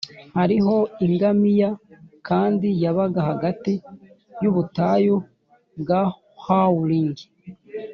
hariho ingamiya, kandi yabaga hagati yubutayu bwa howling